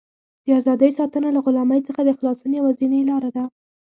د ازادۍ ساتنه له غلامۍ څخه د خلاصون یوازینۍ لاره ده.